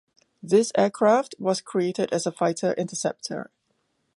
This aircraft was created as a fighter-interceptor.